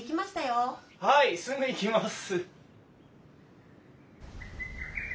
はいすぐ行きます！